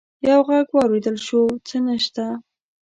يو غږ واورېدل شو: څه نشته!